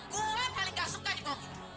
gue paling gak suka di komik